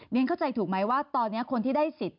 เรียนเข้าใจถูกมั้ยว่าตอนนี้คนที่ได้ศิษย์